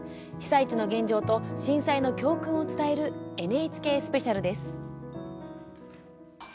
被災地の現状と震災の教訓を伝える「ＮＨＫスペシャル」です。